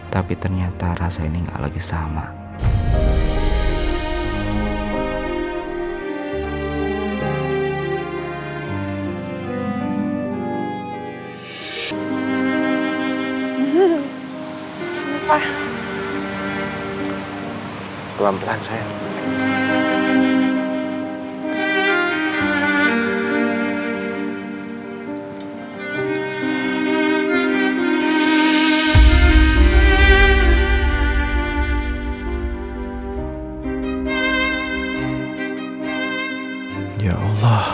tapi ternyata rasa ini gak lagi sama